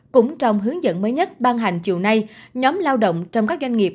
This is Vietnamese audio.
cũng trong hướng dẫn mới nhất ban hành chiều nay nhóm lao động trong các doanh nghiệp